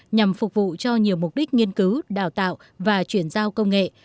nhằm phục vụ cho nhiều mục đích nghiên cứu đào tạo và chuyển giao công nghệ